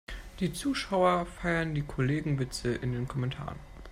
Die Zuschauer feiern die Kollegenwitze in den Kommentaren.